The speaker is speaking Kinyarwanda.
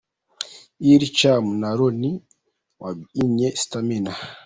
Elie Cham na Ronnie wabyinnye Stamina.